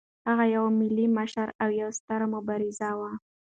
هغه یو ملي مشر او یو ستر مبارز و.